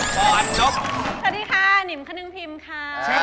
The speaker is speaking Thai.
สวัสดีค่ะหนิมขนึงพิมค่ะ